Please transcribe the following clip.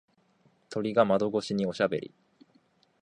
鳥が窓越しにおしゃべり。